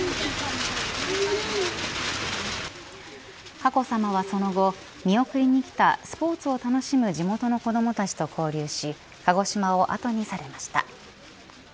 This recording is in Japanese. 佳子さまは、その後見送りに来たスポーツを楽しむ地元の子どもたちと交流し鹿児島を後にされました。